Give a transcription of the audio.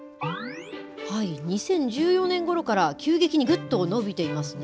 ２０１４年ごろから急激にぐっと伸びていますね。